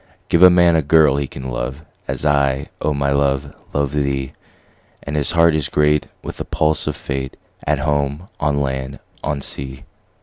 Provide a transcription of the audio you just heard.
Give a man a girl he can love, As I, O my love, love thee; 10 And his heart is great with the pulse of Fate, At home, on land, on sea.